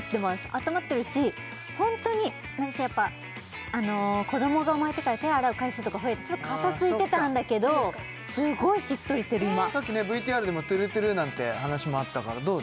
あったまってるしホントに私やっぱ子どもが生まれてから手を洗う回数とか増えてカサついてたんだけどすごいしっとりしてる今さっきＶＴＲでも「トゥルトゥル」なんて話もあったからどう？